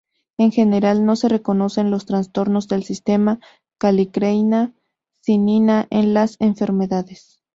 En general no se reconocen los trastornos del sistema calicreína-cinina en las enfermedades.